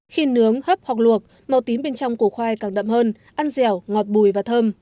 khi nướng hấp hoặc luộc màu tím bên trong củ khoai càng đậm hơn ăn dẻo ngọt bùi và thơm